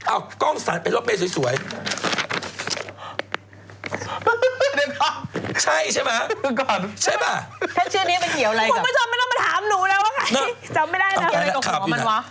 อ้าวสวยพี่ดอกเลยครับ